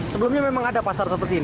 sebelumnya memang ada pasar seperti ini